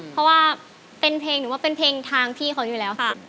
เพราะว่าเป็นเพลงหนูว่าเป็นเพลงทางพี่เขาอยู่แล้วค่ะ